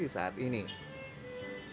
yang terkenal di dunia usaha